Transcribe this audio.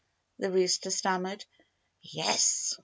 the rooster stammered. "Yes!"